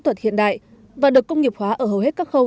kỹ thuật hiện đại và được công nghiệp hóa ở hầu hết các khâu